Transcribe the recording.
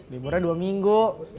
liburnya dua minggu